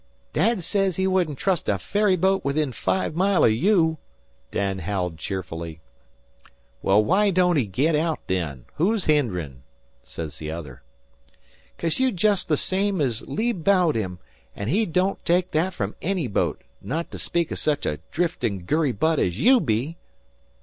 "Dad sez he wouldn't trust a ferryboat within five mile o' you," Dan howled cheerfully. "Why don't he git out, then? Who's hinderin'?" said the other. "'Cause you've jest the same ez lee bowed him, an' he don't take that from any boat, not to speak o' sech a driftin' gurry butt as you be."